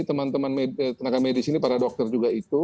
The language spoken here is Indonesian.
teman teman tenaga medis ini para dokter juga itu